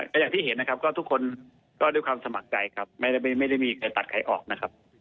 แต่อย่างที่เห็นทุกคนก็ด้วยความสมัครใจไม่ได้มีใครตัดไขออกนะครับ